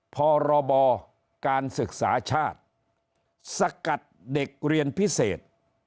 พรบการศึกษาชาติสกัดเด็กเรียนพิเศษ